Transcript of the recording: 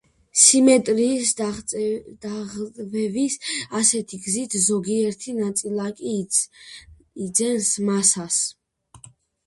სიმეტრიის დარღვევის ასეთი გზით ზოგიერთი ნაწილაკი იძენს მასას.